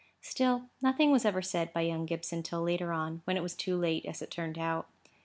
Still, nothing was ever said by young Gibson till later on, when it was too late, as it turned out.